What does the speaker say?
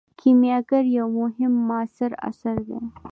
کیمیاګر یو مهم معاصر اثر دی.